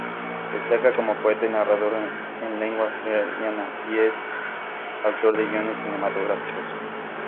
Destaca como poeta y narrador en lengua asturiana y es autor de guiones cinematográficos.